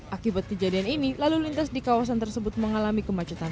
akibat kejadian ini lalu lintas di kawasan tersebut mengalami kemacetan